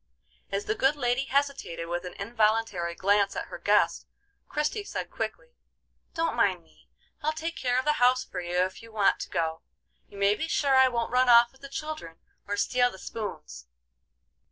As the good lady hesitated with an involuntary glance at her guest, Christie said quickly: "Don't mind me; I'll take care of the house for you if you want to go. You may be sure I won't run off with the children or steal the spoons."